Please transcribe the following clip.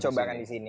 dicobakan di sini